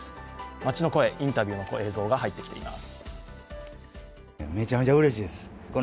町の声、インタビューの映像が入ってきています。